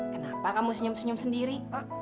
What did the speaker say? kenapa kamu senyum senyum sendiri pak